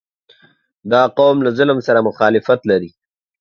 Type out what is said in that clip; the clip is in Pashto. • دا قوم له ظلم سره مخالفت لري.